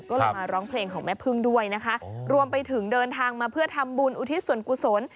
ก็เลยมาร้องเพลงของแม่พึ่งด้วยนะคะรวมไปถึงเดินทางมาเพื่อทำบุญอุทิศส่วนกุศล